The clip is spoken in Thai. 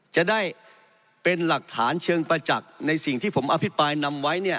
จะได้เป็นหลักฐานเชิงประจักษ์ในสิ่งที่ผมอภิปรายนำไว้เนี่ย